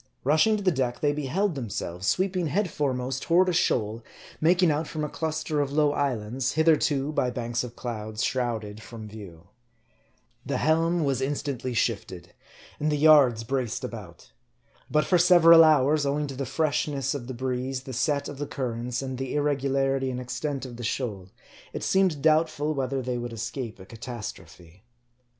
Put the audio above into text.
Rushing to the deck, they beheld themselves sweeping head foremost toward a shoal making out from a cluster of low islands, hitherto, by banks of clouds, shrouded from view. The helm was instantly shifted ; and the yards braced about. But for several hours, owing to the freshness of the breeze, the set of the currents, and the irregularity and ex MARDT. 101 tent of the shoal, it seemed doubtful whether they would escape a catastrophe.